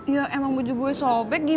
ya emang baju gue sobek gimana